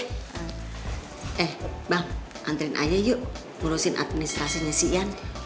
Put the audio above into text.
eh bang anterin aja yuk ngurusin administrasinya si yan